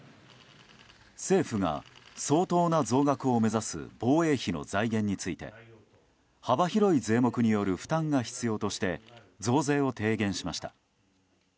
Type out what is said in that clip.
政府が相当な増額を目指す防衛費の財源について幅広い税目による負担が必要として増税を提言しました。